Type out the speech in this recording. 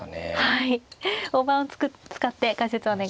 はい。